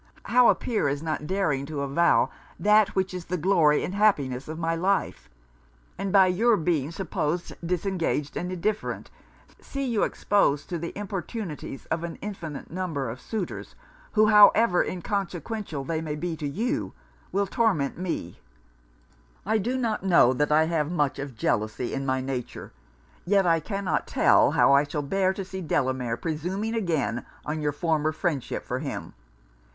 how appear as not daring to avow that, which is the glory and happiness of my life? and by your being supposed disengaged and indifferent, see you exposed to the importunities of an infinite number of suitors, who, however inconsequential they may be to you, will torment me. I do not know that I have much of jealousy in my nature; yet I cannot tell how I shall bear to see Delamere presuming again on your former friendship for him.